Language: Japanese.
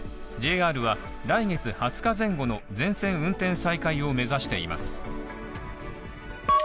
ＪＲは来月２０日前後の全線運転再開を目指しています。